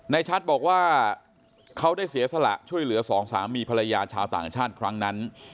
ชัดบอกว่าเขาได้เสียสละช่วยเหลือสองสามีภรรยาชาวต่างชาติครั้งนั้น